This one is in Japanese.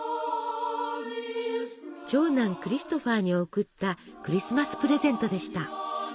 長男クリストファーに贈ったクリスマスプレゼントでした。